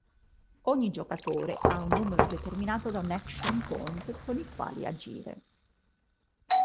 Ogni giocatore ha un numero determinato di "action point" con i quali agire.